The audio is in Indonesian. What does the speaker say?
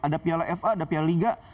ada piala fa ada piala liga